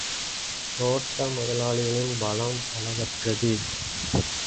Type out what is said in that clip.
தோட்ட முதலாளிகளின் பலம் அளவற்றது.